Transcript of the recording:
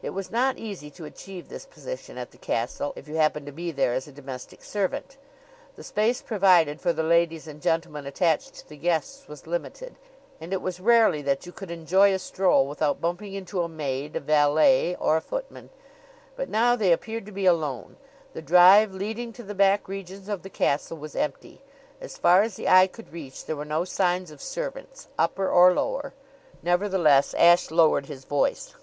It was not easy to achieve this position at the castle if you happened to be there as a domestic servant. The space provided for the ladies and gentlemen attached to the guests was limited, and it was rarely that you could enjoy a stroll without bumping into a maid, a valet or a footman; but now they appeared to be alone. The drive leading to the back regions of the castle was empty. As far as the eye could reach there were no signs of servants upper or lower. Nevertheless, Ashe lowered his voice.